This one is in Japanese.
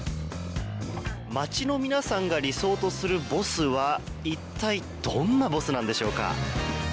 街の皆さんが理想とするボスは一体どんなボスなんでしょうか？